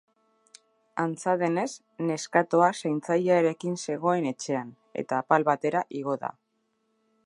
Antza denez, neskatoa zaintzailearekin zegoen etxean, eta apal batera igo da.